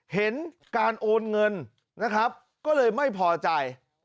เห็นการโอนเงินนะครับก็เลยไม่พอใจ